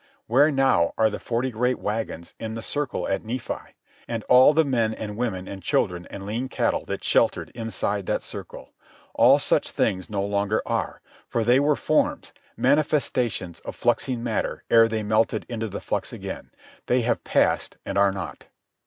Where, now, are the forty great wagons in the circle at Nephi, and all the men and women and children and lean cattle that sheltered inside that circle? All such things no longer are, for they were forms, manifestations of fluxing matter ere they melted into the flux again. They have passed and are not.